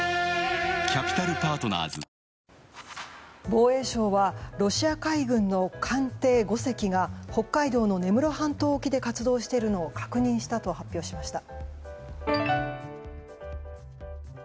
防衛省はロシア海軍の艦艇５隻が北海道の根室半島沖で活動しているのを確認したと発表しました。